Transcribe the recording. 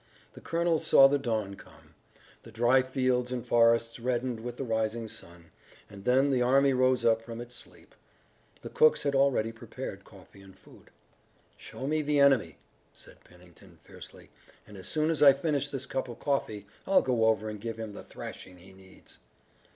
The colonel saw the dawn come. The dry fields and forests reddened with the rising sun, and then the army rose up from its sleep. The cooks had already prepared coffee and food. "Show me the enemy," said Pennington fiercely, "and as soon as I finish this cup of coffee, I'll go over and give him the thrashing he needs."